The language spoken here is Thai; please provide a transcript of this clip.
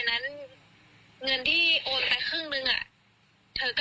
ทั้งหนูก็แบบไม่ได้คิดอะไรก็คิดว่าจะไปเอาเงินเฉยเลยค่ะ